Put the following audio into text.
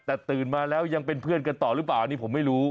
แต่ตื่นมาแล้วยังเป็นเพื่อนกันต่อหรือเปล่าอันนี้ผมไม่รู้